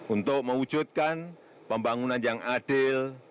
untuk mewujudkan pembangunan yang adil